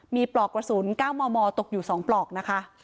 มีปลอกกระสุน๙มมตกอยู่๒ปลอกนะคะ